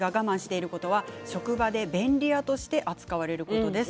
職場で便利屋として扱われることです。